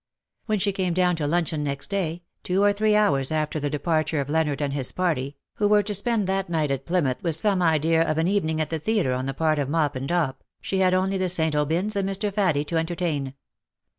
When she came down to luncheon next day, two or three hours after the departure of Leonard and his party, who were to spend that night at Plymouth, with some idea of an evening at the theatre on the part of Mop and Dop, she had only the St. Aubyns and Mr. Faddie to entertain.